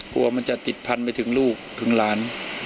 กลัวมันจะติดพันไปถึงลูกถึงหลาน